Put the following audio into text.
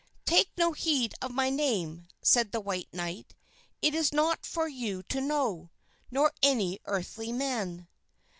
"Take no heed of my name," said the white knight; "it is not for you to know, nor any earthly man."